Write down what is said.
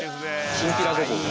きんぴらごぼうだ。